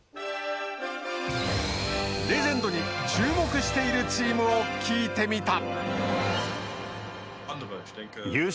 レジェンドに注目しているチームを聞いてみた。